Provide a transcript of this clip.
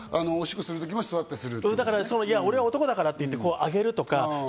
おしっこする時も座ってする。